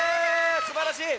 すばらしい！